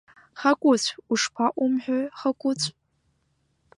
Хакәыцә, ушԥаҟоу умҳәои, Хакәыцә?!